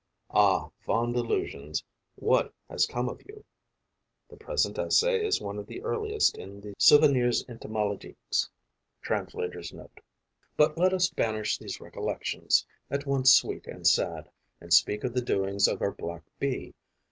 Ah, fond illusions, what has come of you? (The present essay is one of the earliest in the "Souvenirs Entomologiques." Translator's Note.) But let us banish these recollections, at once sweet and sad, and speak of the doings of our black Bee.